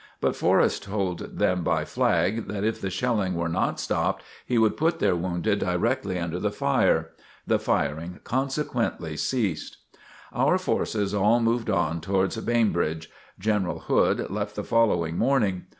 But Forrest told them by flag, that if the shelling were not stopped, he would put their wounded directly under the fire. The firing consequently ceased. Our forces all moved on towards Bainbridge. General Hood left the following morning.